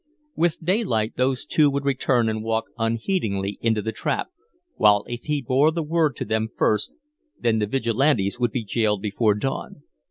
With daylight those two would return and walk unheeding into the trap, while if he bore the word to them first, then the Vigilantes would be jailed before dawn.